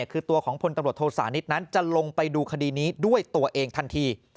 คือตัวของพลตำรวจโทษานิทนั้นจะลงไปดูคดีนี้ด้วยตัวเองทันที